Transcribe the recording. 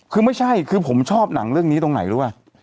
คือไม่ใช่คือผมชอบหนังเรื่องนี้ตรงไหนรู้ป่ะ